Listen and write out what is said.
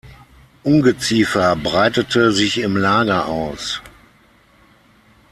Ungeziefer breitete sich im Lager aus.